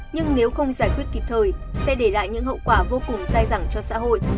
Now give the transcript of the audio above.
nhưng nếu không giải quyết kịp thời sẽ để lại những hậu quả vô cùng dai dẳng cho xã hội